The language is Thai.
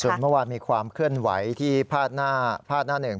ส่วนเมื่อวานมีความเคลื่อนไหวที่พาดหน้าหนึ่ง